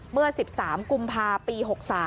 เมื่อ๑๓กุมภาปี๖๓